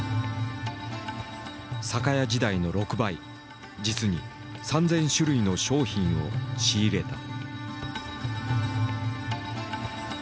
酒屋時代の６倍実に３，０００種類の商品を仕入れた。